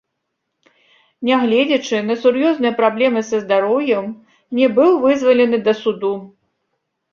Нягледзячы на сур'ёзныя праблемы са здароўем, не быў вызвалены да суду.